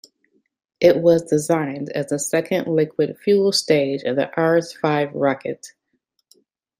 It was designed as the second liquid-fueled stage of the Ares Five rocket.